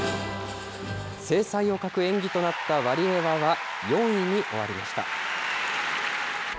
精彩を欠く演技となったワリエワは４位に終わりました。